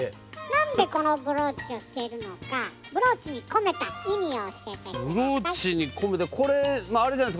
なんでこのブローチをしてるのかブローチに込めた意味を教えてください。